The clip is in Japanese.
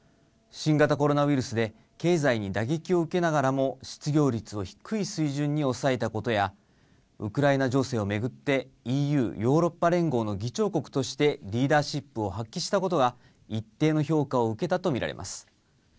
新型コロナウイルスで、経済に打撃を受けながらも、失業率を低い水準に抑えたことや、ウクライナ情勢を巡って、ＥＵ・ヨーロッパ連合の議長国としてリーダーシップを発揮したことが、一定の評価を受けたと見られます。